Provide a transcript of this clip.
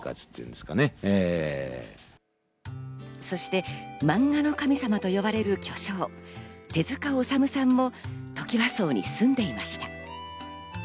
そして漫画の神様と呼ばれる巨匠・手塚治虫さんもトキワ荘に住んでいました。